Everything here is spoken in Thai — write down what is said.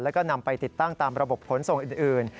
แล้วก็นำไปติดตั้งตามระบบขนส่งอื่น